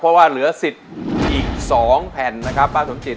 เพราะว่าเหลือสิทธิ์อีก๒แผ่นนะครับป้าสมจิต